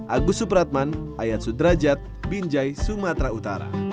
agus supratman ayat sudrajat binjai sumatera utara